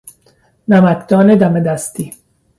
نمکدان دم دستی